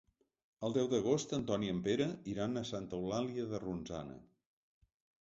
El deu d'agost en Ton i en Pere iran a Santa Eulàlia de Ronçana.